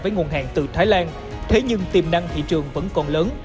với nguồn hàng từ thái lan thế nhưng tiềm năng thị trường vẫn còn lớn